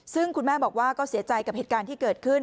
ซึ่งคุณแม่บอกว่าก็เสียใจกับเหตุการณ์ที่เกิดขึ้น